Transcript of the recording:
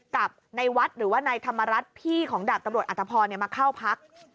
กับในวัดหรือว่านายธรรมรัฐพี่ของดาบตำรวจอัตภพรมาเข้าพัก